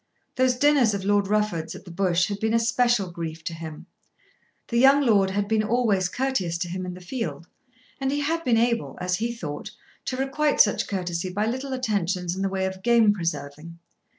Those dinners of Lord Rufford's at the Bush had been a special grief to him. The young lord had been always courteous to him in the field, and he had been able, as he thought, to requite such courtesy by little attentions in the way of game preserving.